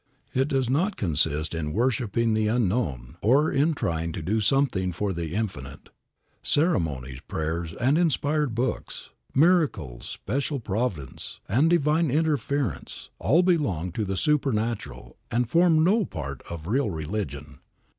It does not consist in worshiping the unknown or in trying to do something for the Infinite. Ceremonies, prayers and inspired books, miracles, special providence, and divine interference all belong to the supernatural and form no part of real religion.